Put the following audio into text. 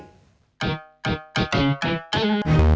hebat cerita dan anggap